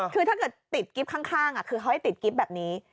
คือถ้าเกิดติดกิ๊บข้างคือเขาให้ติดกิ๊บแบบนี้